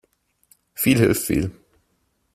Viel hilft viel.